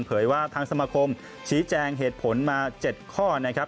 ว่าทางสมาคมชี้แจงเหตุผลมา๗ข้อนะครับ